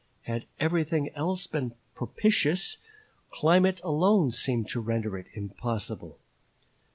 Had everything else been propitious, climate alone seemed to render it impossible.